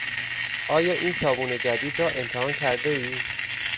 آیا این صابون جدید را امتحان کردهای؟